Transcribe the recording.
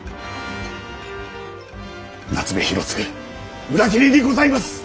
夏目広次裏切りにございます！